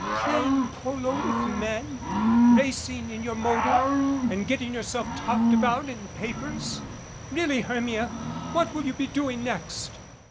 "Playing polo with men, racing in your motor and getting yourself talked about in the papers ! Really, Hermia, what will you be doing next